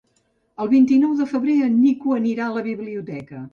El vint-i-nou de febrer en Nico anirà a la biblioteca.